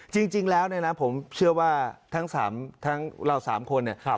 จริงแล้วเนี่ยนะผมเชื่อว่าทั้งเรา๓คนเนี่ย